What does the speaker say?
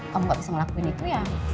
kamu gak bisa ngelakuin itu ya